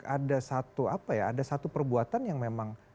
ada satu apa ya ada satu perbuatan yang memang